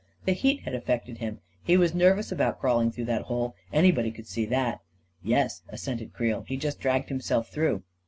The heat had affected him — he was nervous about crawling through that hole, anybody could see that." " Yes," assented Creel. " He just dragged him self through.